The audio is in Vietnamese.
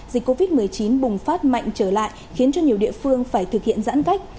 dịch covid một mươi chín bùng phát mạnh trở lại khiến cho nhiều địa phương phải thực hiện giãn cách